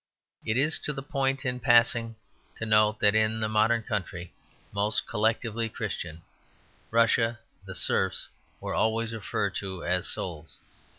It is to the point, in passing, to note that in the modern country most collectively Christian, Russia, the serfs were always referred to as "souls."